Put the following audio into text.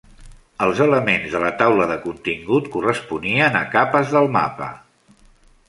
Els elements de la taula de contingut corresponien a capes del mapa.